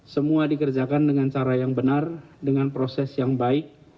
semua dikerjakan dengan cara yang benar dengan proses yang baik